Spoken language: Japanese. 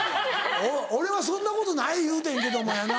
俺はそんなことない言うてんけどもやな。